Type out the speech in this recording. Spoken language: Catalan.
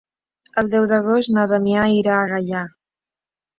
El deu d'agost na Damià irà a Gaià.